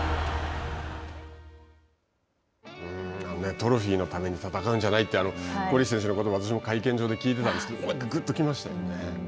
トロフィーのために戦うんじゃないってコリシ選手のことば私も会見場で聞いてたんですけれども、ぐっと来ましたよね。